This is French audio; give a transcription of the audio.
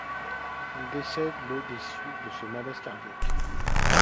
Il décède le des suites de ce malaise cardiaque.